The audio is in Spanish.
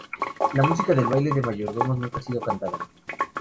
La música del baile de mayordomos nunca ha sido cantada.